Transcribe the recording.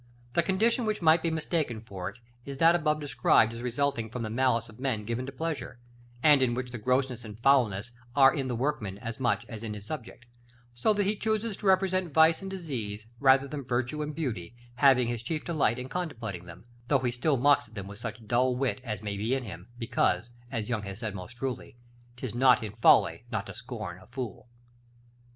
The condition which might be mistaken for it is that above described as resulting from the malice of men given to pleasure, and in which the grossness and foulness are in the workman as much as in his subject, so that he chooses to represent vice and disease rather than virtue and beauty, having his chief delight in contemplating them; though he still mocks at them with such dull wit as may be in him, because, as Young has said most truly, "'Tis not in folly not to scorn a fool." § LV.